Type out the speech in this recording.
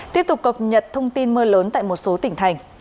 tiếp tục cập nhật thông tin mưa lớn tại một số tỉnh thành